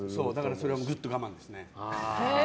それはぐっと我慢ですね。